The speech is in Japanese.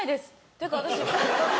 っていうか私。